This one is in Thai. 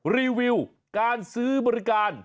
รีวิวการซื้อบริการ